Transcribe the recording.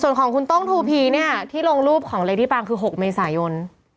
ส่วนของคุณต้องทูพีเนี่ยที่ลงรูปของเรดี้ปางคือ๖เมษายน